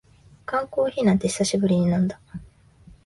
缶コーヒーなんて久しぶりに飲んだ